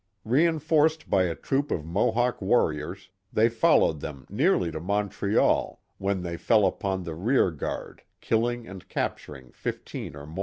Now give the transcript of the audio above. Reinforced by a troop of Mohawk warriors, they fol lowed them nearly to Montreal, when they fell upon the rear guard, killing and capturing fifteen or more.